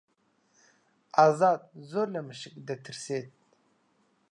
ئازاد زۆر لە مشک دەترسێت.